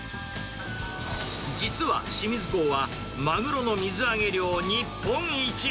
実は清水港はマグロの水揚げ量日本一。